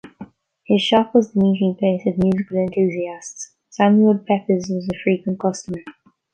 His shop was the meeting-place of musical enthusiasts; Samuel Pepys was a frequent customer.